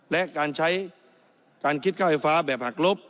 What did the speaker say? และการใช้การคิดค่าไฟฟ้าแบบหักลบ